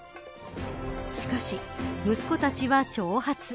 しかし、息子たちは長髪。